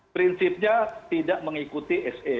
prinsipnya tidak mengikuti se